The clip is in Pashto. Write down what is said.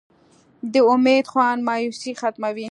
د امید خوند مایوسي ختموي.